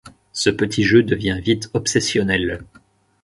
Ce petit jeu devient vite obsessionnel.